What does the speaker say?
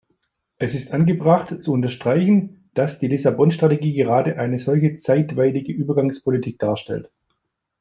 Es ist angebracht zu unterstreichen, dass die Lissabon-Strategie gerade eine solche zeitweilige Übergangspolitik darstellt.